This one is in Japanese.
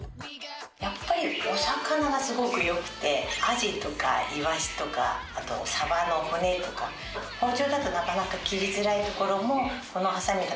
やっぱりお魚がすごくよくてアジとかイワシとかあとサバの骨とか包丁だとなかなか切りづらいところもこのハサミだと楽に調理ができるので